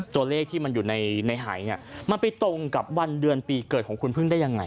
ตัวเลขที่มันอยู่ในหายเนี่ยมันไปตรงกับวันเดือนปีเกิดของคุณพึ่งได้ยังไง